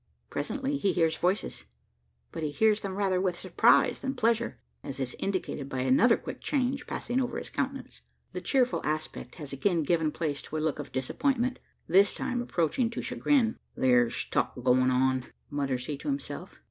Presently, he hears voices; but he hears them rather with surprise than pleasure as is indicated by another quick change passing over his countenance. The cheerful aspect has again given place to a look of disappointment this time approaching to chagrin. "Thar's talk goin' on;" mutters he to himself.